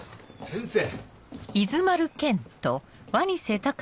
先生。